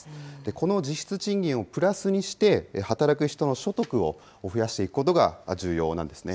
この実質賃金をプラスにして、働く人の所得を増やしていくことが重要なんですね。